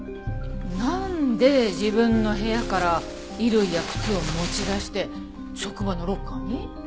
なんで自分の部屋から衣類や靴を持ち出して職場のロッカーに？